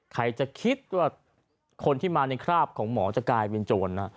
ใครจะคิดว่าคนที่มาในคราบของหมอจะกลายเป็นโจรนะ